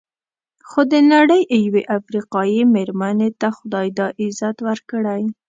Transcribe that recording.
خو د نړۍ یوې افریقایي مېرمنې ته خدای دا عزت ورکړی.